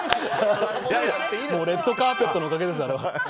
レッドカーペットのおかげです。